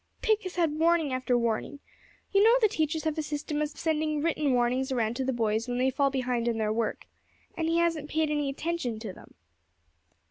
"Pick has had warning after warning you know the teachers have a system of sending written warnings around to the boys when they fall behind in their work and he hasn't paid any attention to them."